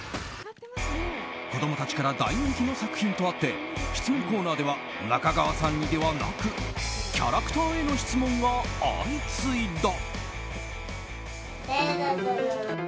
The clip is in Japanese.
子供たちから大人気の作品とあって質問コーナーでは中川さんにではなくキャラクターへの質問が相次いだ。